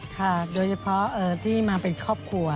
ค่ะโดยเฉพาะที่มาเป็นครอบครัว